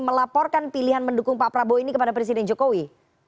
melaporkan pilihan mendukung pak prabowo ini kepada presiden jokowi